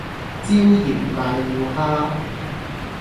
椒鹽瀨尿蝦